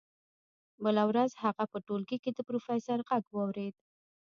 بله ورځ هغه په ټولګي کې د پروفیسور غږ واورېد